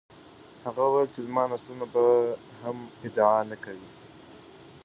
هغه وویل چي زما نسلونه به هم ادعا نه کوي.